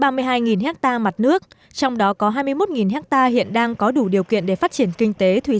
ba mươi hai ha mặt nước trong đó có hai mươi một ha hiện đang có đủ điều kiện để phát triển kinh tế thủy